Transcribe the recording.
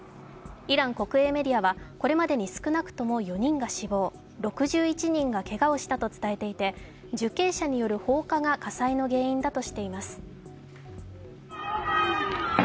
イラン国営メディアは、これまでに少なくとも４人が死亡、６１人がけがをしたと伝えていて受刑者による放火が火災の原因だとしています。